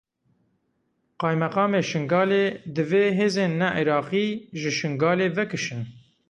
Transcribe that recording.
Qaymeqamê Şingalê, divê hêzên ne Iraqî ji Şingalê vekişin.